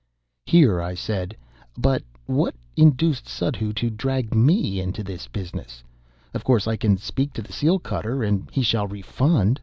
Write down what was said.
Here I said: "But what induced Suddhoo to drag me into the business? Of course I can speak to the seal cutter, and he shall refund.